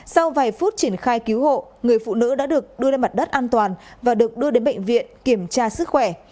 sau vài phút triển khai cứu hộ người phụ nữ đã được đưa lên mặt đất an toàn và được đưa đến bệnh viện kiểm tra sức khỏe